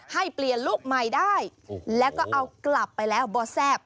ให้เปลี่ยนลุคใหม่ได้แล้วก็เอากลับไปแล้วบ่อแซ่บ